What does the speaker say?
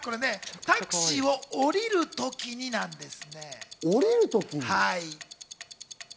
タクシーを降りるときにです。